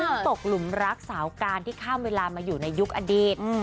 ซึ่งตกหลุมรักสาวการที่ข้ามเวลามาอยู่ในยุคอดีต